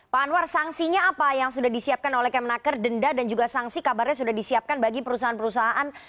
pak anwar sanksinya apa yang sudah disiapkan oleh kemenaker denda dan juga sanksi kabarnya sudah disiapkan bagi perusahaan perusahaan